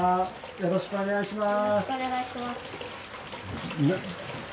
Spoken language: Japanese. よろしくお願いします。